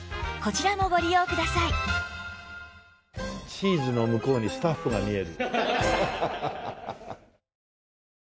チーズの向こうにスタッフが見える。